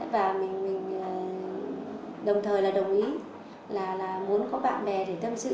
và mình đồng thời là đồng ý là muốn có bạn bè để tâm sự